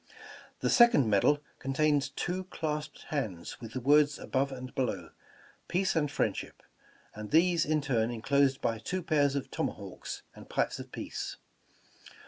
The second medal contains two clasped hands, with the words above and below, "Peace and Friendship," and these, in turn, enclosed by two pairs of tomahawks and pipes of peace.